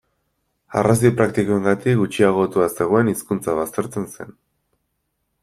Arrazoi praktikoengatik gutxiagotua zegoen hizkuntza baztertzen zen.